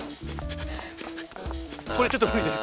これちょっとむりです。